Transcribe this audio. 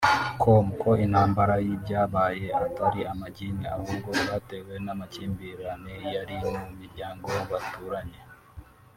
com ko intandaro y’ibyabaye atari amagini ahubwo byatewe n’amakimbirane yari mu miryango baturanye